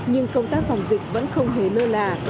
nhưng công tác phòng dịch vẫn không hề lơ là